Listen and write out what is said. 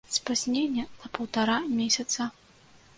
Спазненне на паўтара месяца.